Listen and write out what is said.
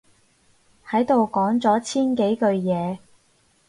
喺度講咗千幾句嘢